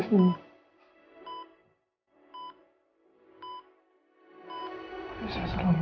bisa dikabling dari sana atau aadh